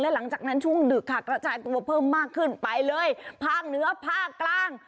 หลังจากนั้นช่วงดึกค่ะกระจายตัวเพิ่มมากขึ้นไปเลยภาคเหนือภาคกลาง